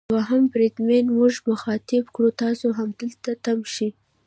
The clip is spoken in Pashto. دوهم بریدمن موږ مخاطب کړ: تاسو همدلته تم شئ.